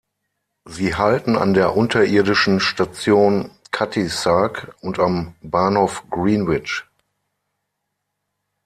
Sie halten an der unterirdischen Station Cutty Sark und am Bahnhof Greenwich.